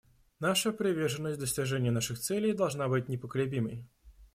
Наша приверженность достижению наших целей должна быть непоколебимой.